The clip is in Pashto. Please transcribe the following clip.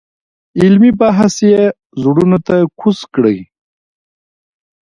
علمي بحث یې زړونو ته کوز کړی.